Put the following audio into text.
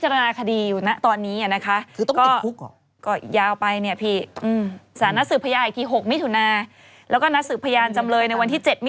น้านาง่ายังไม่ได้ปรับปรับการตัวใช่ไหม